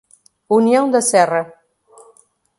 União da Serra